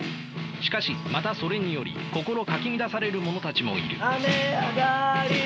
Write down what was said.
しかしまたそれにより心かき乱される者たちもいる。